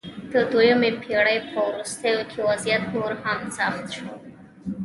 د دویمې پېړۍ په وروستیو کې وضعیت نور هم سخت شو